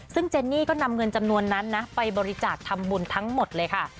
ซึ่งเจนนี่ก็นำเงินจำนวนนั้นนะไปบริจาคทำบุญทั้งหมดเลยค่ะ